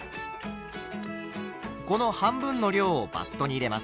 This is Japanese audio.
この半分の量をバットに入れます。